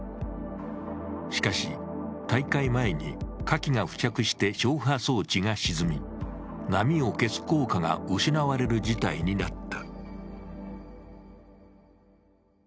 しかし、大会前にカキが付着して消波装置が沈み波を消す効果が失われる事態になった。